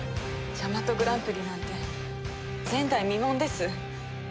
ジャマトグランプリなんて前代未聞です。